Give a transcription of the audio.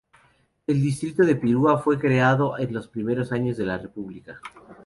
El distrito de Piura fue creado en los primeros años de la República.